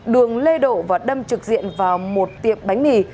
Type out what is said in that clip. đường lê độ và đâm trực diện vào một tiệm bánh mì